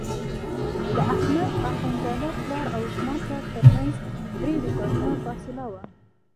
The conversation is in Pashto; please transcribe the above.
د احمد اخوندزاده پلار او زما پلار ترمنځ درې دوکانه فاصله وه.